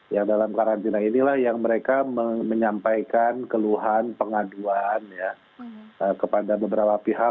yang dalam karantina inilah yang mereka menyampaikan keluhan pengaduan kepada beberapa pihak